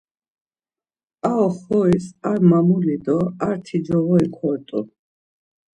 Ar oxoris ar mamuli do arti coğori kort̆u.